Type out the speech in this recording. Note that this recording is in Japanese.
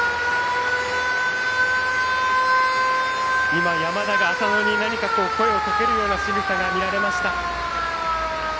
今、山田が浅野に声をかけるしぐさが見られました。